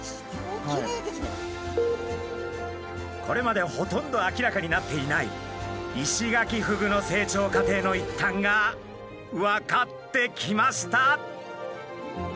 これまでほとんど明らかになっていないイシガキフグの成長過程の一端が分かってきました。